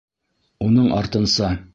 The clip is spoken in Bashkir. Уның артынса: